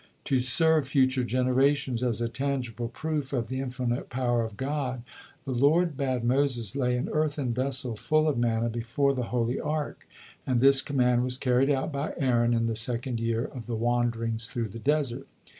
To serve future generations as a tangible proof of the infinite power of God, the Lord bade Moses lay an earthen vessel full of manna before the Holy Ark, and this command was carried out by Aaron in the second year of the wanderings through the desert.